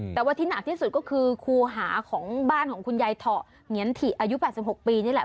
แต่ว่าที่หนักที่สุดก็คือคูหาของบ้านของคุณยายเถาะเหงียนถิอายุ๘๖ปีนี่แหละ